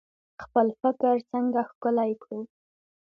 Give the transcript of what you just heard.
خپل فکر څنګه ښکلی کړو؟